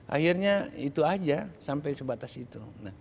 akhirnya itu aja sampai sebatas itu